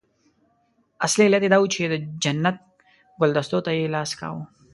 اصلي علت یې دا وو چې د جنت ګلدستو ته یې لاس کاوه.